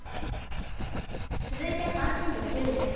続いて関心度９位です。